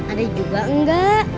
ada juga enggak